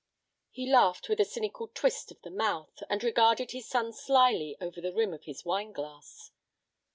He laughed with a cynical twist of the mouth, and regarded his son slyly over the rim of his wineglass.